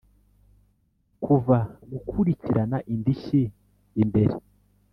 kuva gukurikirana indishyi imbere